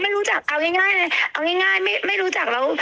ไม่รู้จักเอาง่ายง่ายเอาง่ายง่ายไม่ไม่รู้จักแล้ว